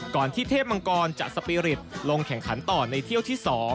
ที่เทพมังกรจะสปีริตลงแข่งขันต่อในเที่ยวที่๒